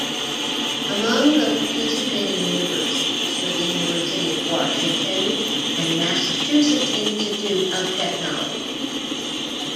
Among the participating universities were The University of Washington, and Massachusetts Institute of Technology.